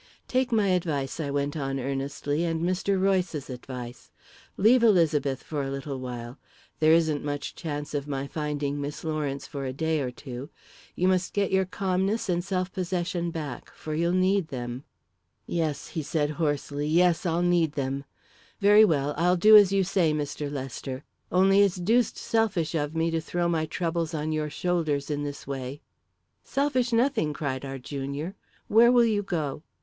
"Take my advice," I went on earnestly, "and Mr. Royce's advice. Leave Elizabeth for a little while. There isn't much chance of my finding Miss Lawrence for a day or two. You must get your calmness and self possession back, for you'll need them." "Yes," he said hoarsely; "yes, I'll need them. Very well, I'll do as you say, Mr. Lester. Only it's deuced selfish of me to throw my troubles on your shoulders this way." "Selfish nothing!" cried our junior. "Where will you go?"